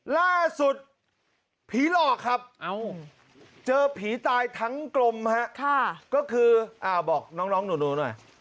ล่าสุดผีหลอกครับเจอผีตายทั้งกลมฮะก็คือบอกน้องหนูหน่อย